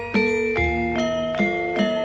sepertinya ya t ward